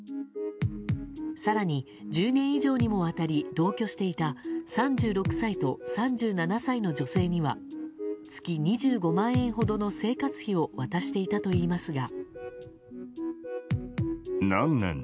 更に１０年以上にもわたり同居していた３６歳と３７歳の女性には月２５万円ほどの生活費を渡していたといいますが。